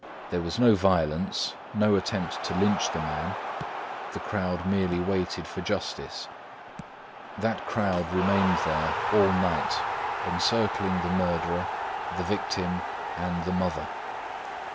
There was no violence, no attempt to lynch the man; the crowd merely waited for justice. That crowd remained there all night, encircling the murderer, the victim, and the mother.